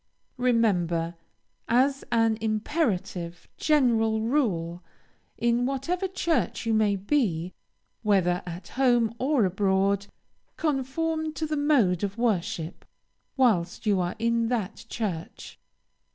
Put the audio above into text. Remember, as an imperative, general rule, in whatever church you may be, whether at home or abroad, conform to the mode of worship whilst you are in that church.